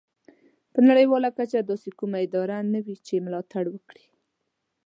په نړیواله کچه داسې کومه اداره نه وه چې ملاتړ وکړي.